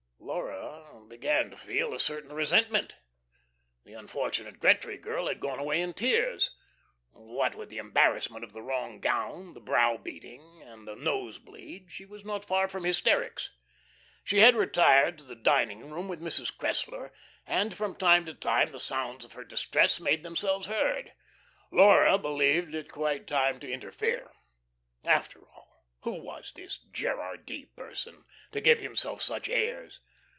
Laura began to feel a certain resentment. The unfortunate Gretry girl had gone away in tears. What with the embarrassment of the wrong gown, the brow beating, and the nose bleed, she was not far from hysterics. She had retired to the dining room with Mrs. Cressler and from time to time the sounds of her distress made themselves heard. Laura believed it quite time to interfere. After all, who was this Gerardy person, to give himself such airs?